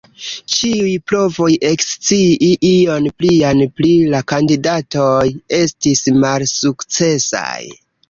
Ĉiuj provoj ekscii ion plian pri la kandidatoj estis malsukcesaj.